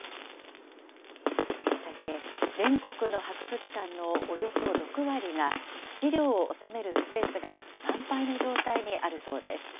さて、全国の博物館のおよそ６割が、資料を収めるスペースが満杯の状態にあるそうです。